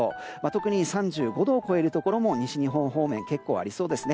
特に３５度を超えるところも西日本方面、結構ありそうです。